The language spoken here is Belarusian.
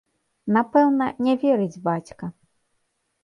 Напэўна, не верыць бацька.